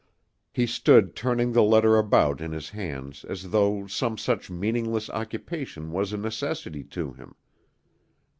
He stood turning the letter about in his hands as though some such meaningless occupation was a necessity to him.